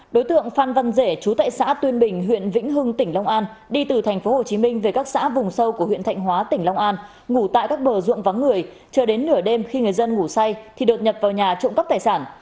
đối tượng phan văn rể chú tại xã tuyên bình huyện vĩnh hưng tỉnh long an đi từ tp hcm về các xã vùng sâu của huyện thạnh hóa tỉnh long an ngủ tại các bờ ruộng vắng người chờ đến nửa đêm khi người dân ngủ say thì đột nhập vào nhà trộm cắp tài sản